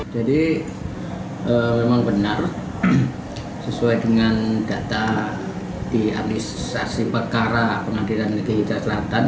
jadi memang benar sesuai dengan data diadmisasi perkara pengadilan legi hijab selatan